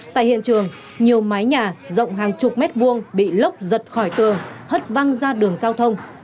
tại hiện trường nhiều mái nhà rộng hàng chục mét vuông bị lốc giật khỏi tường hất văng ra đường giao thông